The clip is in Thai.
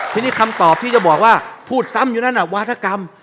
ทีนี้คำตอบที่จะบอกว่าพูดซ้ำอยู่นั่นวาธกรรม